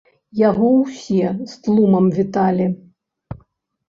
Яго ўсе з тлумам віталі.